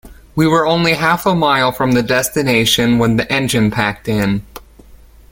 We were only half a mile from the destination when the engine packed in.